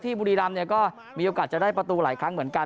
บุรีรำเนี่ยก็มีโอกาสจะได้ประตูหลายครั้งเหมือนกัน